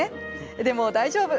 でも大丈夫！